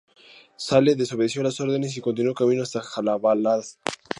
Sale desobedeció las órdenes y continuó camino hasta Jalalabad.